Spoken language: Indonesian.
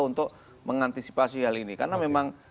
untuk mengantisipasi hal ini karena memang